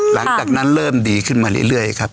หลังจากนั้นเริ่มดีขึ้นมาเรื่อยครับ